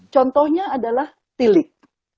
contohnya adalah tilik